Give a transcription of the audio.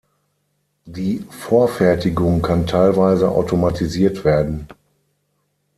Die Vorfertigung kann teilweise automatisiert werden.